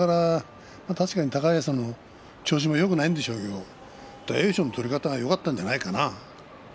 確かに高安の調子もよくないんでしょうけど大栄翔の取り方がよかったんじゃないかな。